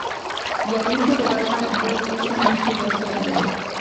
Y al grito de Batman de: "Esta noche yo soy la Ley.